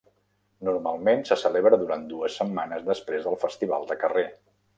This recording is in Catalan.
Normalment se celebra durant dues setmanes després del festival de carrer.